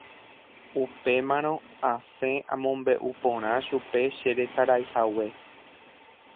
Upémarõ asẽ amombe'u porã chupe cheresaraihague.